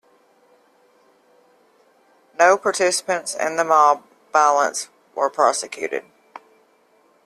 No participants in the mob violence were prosecuted.